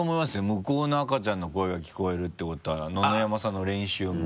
向こうの赤ちゃんの声が聞こえるっていうことは野々山さんの練習も。